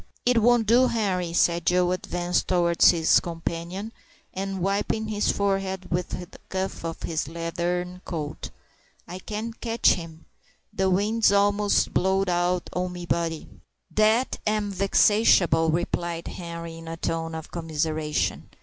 "It won't do, Henri," said Joe, advancing towards his companion, and wiping his forehead with the cuff of his leathern coat; "I can't catch him. The wind's a'most blowed out o' me body." "Dat am vexatiable," replied Henri, in a tone of commiseration.